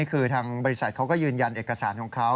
คือทางบริษัทเขาก็ยืนยันเอกสารของเขา